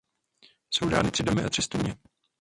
Jsou dány tři domy a tři studně.